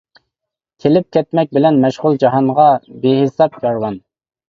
كېلىپ-كەتمەك بىلەن مەشغۇل جاھانغا بىھېساب كارۋان.